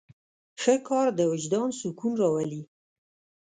ښه کار د وجدان سکون راولي.